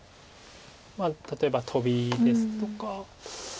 まあ例えばトビですとか。